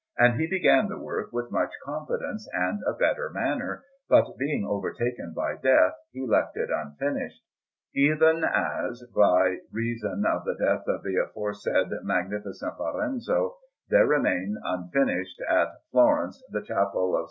And he began the work with much confidence and a better manner, but, being overtaken by death, he left it unfinished; even as, by reason of the death of the aforesaid Magnificent Lorenzo, there remained unfinished at Florence the Chapel of S.